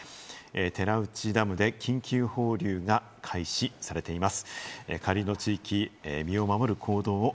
寺内ダムで緊急放流が開始されています。